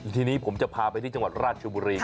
ทีนี้ผมจะพาไปที่จังหวัดราชบุรี